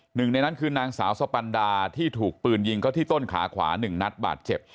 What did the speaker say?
หนึ่งในนั้นคือนางสาวสปันดาที่ถูกปืนยิงเข้าที่ต้นขาขวา๑นัดบาดเจ็บ